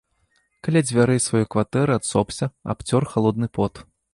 Каля дзвярэй сваёй кватэры адсопся, абцёр халодны пот.